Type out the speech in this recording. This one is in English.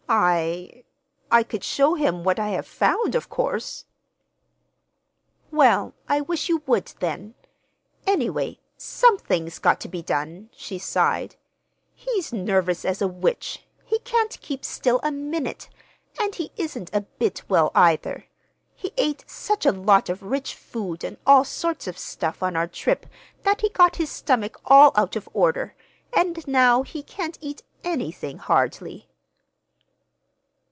"I—I could show him what I have found, of course." "Well, I wish you would, then. Anyway, something's got to be done," she sighed. "He's nervous as a witch. He can't keep still a minute. And he isn't a bit well, either. He ate such a lot of rich food and all sorts of stuff on our trip that he got his stomach all out of order; and now he can't eat anything, hardly."